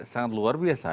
sangat luar biasa